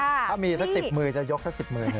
ถ้ามีสัก๑๐มือจะยกสัก๑๐มือ